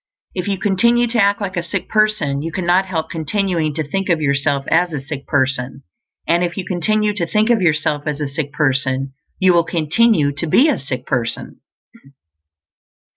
If you continue to act like a sick person, you cannot help continuing to think of yourself as a sick person; and if you continue to think of yourself as a sick person, you will continue to be a sick person.